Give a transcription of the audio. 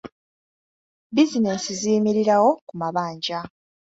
Bizinensi ziyimirirawo ku mabanja.